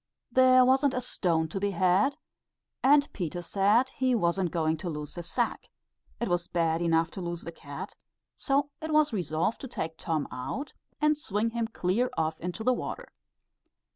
There wasn't a stone to be had, and Peter said he wasn't going to lose his sack; it was bad enough to lose the cat; so it was resolved to take Tom out and swing him clear off into the water.